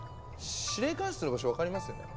司令官室の場所分かりますよね？